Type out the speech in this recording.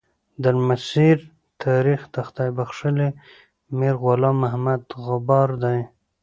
درمسیر تاریخ د خدای بخښلي میر غلام محمد غبار دی.